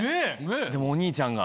でもお兄ちゃんが。